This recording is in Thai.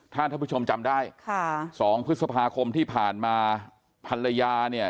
ถ้าท่านผู้ชมจำได้ค่ะสองพฤษภาคมที่ผ่านมาภรรยาเนี่ย